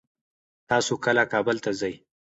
تاسو کله کابل ته ځئ؟